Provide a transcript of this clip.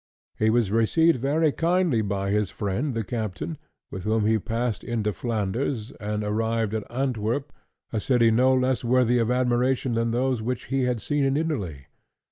He was received very kindly by his friend the captain, with whom he passed into Flanders, and arrived at Antwerp, a city no less worthy of admiration than those which he had seen in Italy.